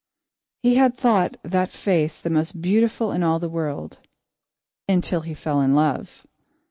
He had thought that face the most beautiful in all the world until he fell in love.